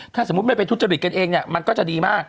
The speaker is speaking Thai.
ถ้าสมมุติไม่ไปทุจริตกันเองเนี่ยมันก็จะดีมาก